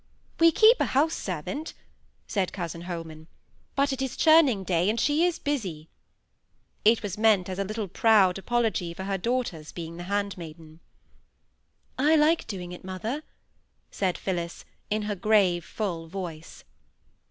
"We keep a house servant," said cousin Holman, "but it is churning day, and she is busy." It was meant as a little proud apology for her daughter's being the handmaiden. "I like doing it, mother," said Phillis, in her grave, full voice.